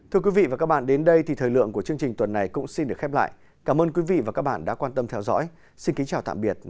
thưa quý vị và các bạn đến đây thì thời lượng của chương trình tuần này cũng xin được khép lại cảm ơn quý vị và các bạn đã quan tâm theo dõi xin kính chào tạm biệt và hẹn gặp lại